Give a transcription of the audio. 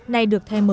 nay được thay mới